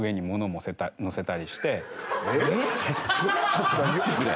ちょっと待ってくれ。